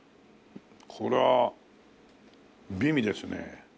これは美味ですね。